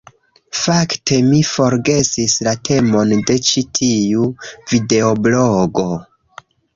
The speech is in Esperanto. Fakte mi forgesis la temon de ĉi tiu videoblogo.